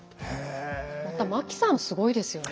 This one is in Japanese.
また槇さんもすごいですよね。